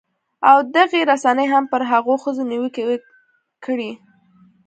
او دغې رسنۍ هم پر هغو ښځو نیوکې کړې